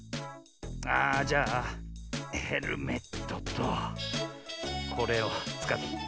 ああじゃあヘルメットとこれをつかって。